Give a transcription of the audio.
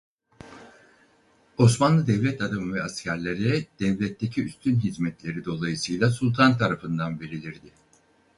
Osmanlı devlet adamı ve askerlere devletteki üstün hizmetleri dolayısıyla Sultan tarafından verilirdi.